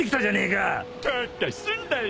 かっかすんなよ。